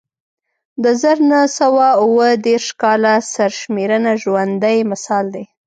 د زر نه سوه اووه دېرش کال سرشمېرنه ژوندی مثال دی